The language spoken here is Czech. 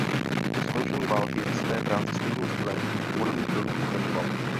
Po skončení války ve své práci stejným stylem a v podobných filmech pokračovala.